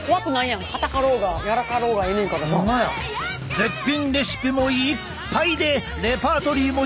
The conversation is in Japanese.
絶品レシピもいっぱいでレパートリーも広がっちゃう！